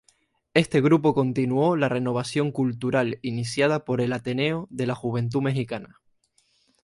Este grupo continuó la renovación cultural iniciada por el Ateneo de la Juventud Mexicana.